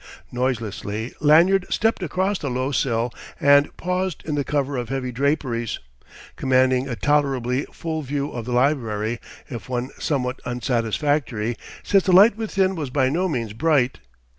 Noiselessly Lanyard stepped across the low sill and paused in the cover of heavy draperies, commanding a tolerably full view of the library if one somewhat unsatisfactory, since the light within was by no means bright.